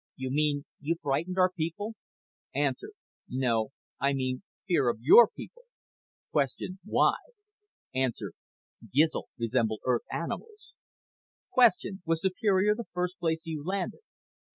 YOU MEAN YOU FRIGHTENED OUR PEOPLE A. NO I MEAN FEAR OF YOUR PEOPLE Q. WHY A. GIZL RESEMBLE EARTH ANIMALS Q. WAS SUPERIOR THE FIRST PLACE YOU LANDED A.